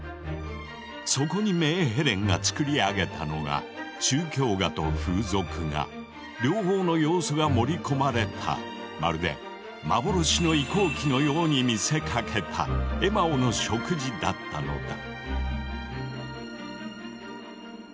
そこにメーヘレンが作り上げたのが宗教画と風俗画両方の要素が盛り込まれたまるで幻の移行期のように見せかけた「エマオの食事」だったのだ。